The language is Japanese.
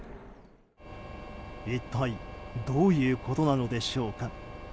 一体どういうことなのでしょうか。